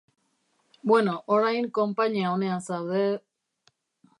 Bueno, orain konpainia onean zaude...